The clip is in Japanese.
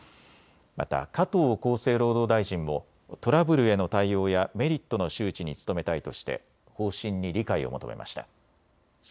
また加藤厚生労働大臣もトラブルへの対応やメリットの周知に努めたいとして方針に理解を求めました。